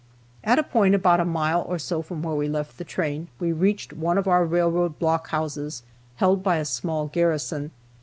At a point about a mile or so from where we left the train, we reached one of our railroad block houses, held by a small garrison.